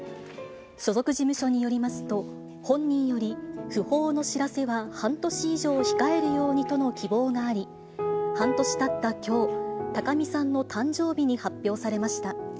所属事務所によりますと、本人より、訃報の知らせは半年以上控えるようにとの希望があり、半年たったきょう、高見さんの誕生日に発表されました。